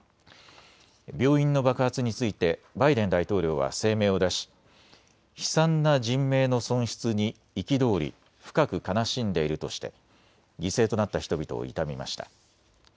病院の爆発についてバイデン大統領は声明を出し、悲惨な人命の損失に憤り、深く悲しんでいるとして犠牲となった人々を悼みました。